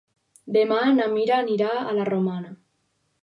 Demà na Mira anirà a la Romana.